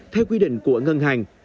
theo quy định của ngân hàng